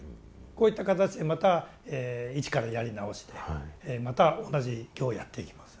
こういった形でまた一からやり直しでまた同じ行をやっていきます。